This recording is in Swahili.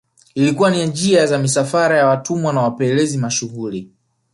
Ilikuwa ni njia ya misafara ya watumwa na wapelelezi mashuhuri